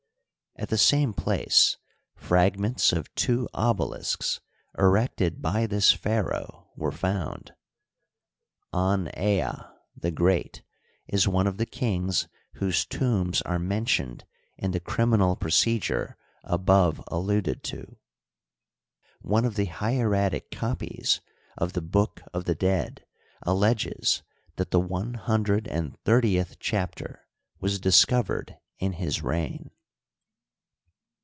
At the same place fragments of two obelisks erected by this pha raoh were found. An da (the Great) is one of the kings whose tombs are mentioned in the criminal procedure above alluded to. One of the Hieratic copies of the " Book of the Dead " alleges that the one hundred and thirtieth chapter was discovered in his reign.